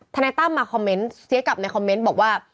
นายตั้มมาคอมเมนต์เสียกลับในคอมเมนต์บอกว่า